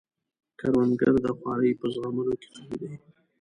کروندګر د خوارۍ په زغملو کې قوي دی